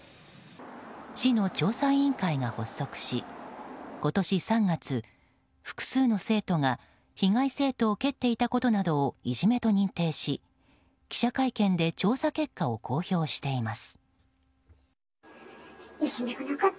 市の調査委員会が発足し今年３月、複数の生徒が被害生徒を蹴っていたことなどをいじめと認定し記者会見で調査結果を公表しています。